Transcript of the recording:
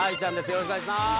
よろしくお願いします！